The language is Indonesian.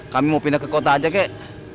kami mau pindah ke kota aja kek